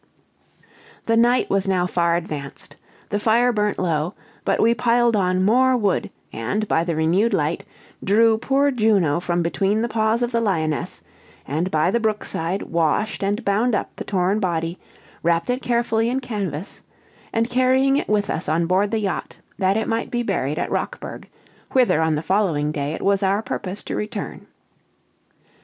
The night was now far advanced; the fire burnt low; but we piled on more wood, and, by the renewed light, drew poor Juno from between the paws of the lioness; and by the brookside, washed and bound up the torn body, wrapped it carefully in canvas, and carrying it with us on board the yacht, that it might be buried at Rockburg, whither on the following day it was our purpose to return.